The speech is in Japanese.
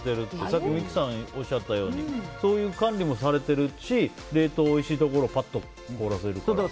さっき三木さんがおっしゃったようにそういう管理もされてるし冷凍、おいしいところでパッと凍らせるとか。